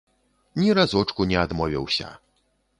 Ні разочку не адмовіўся.